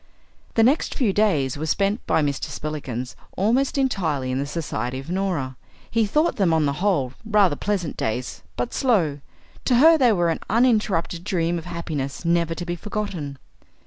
The next few days were spent by Mr. Spillikins almost entirely in the society of Norah. He thought them on the whole rather pleasant days, but slow. To her they were an uninterrupted dream of happiness never to be forgotten.